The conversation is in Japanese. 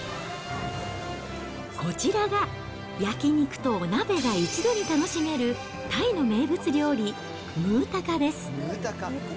こちらが、焼き肉とお鍋が一度に楽しめるタイの名物料理、ムータカです。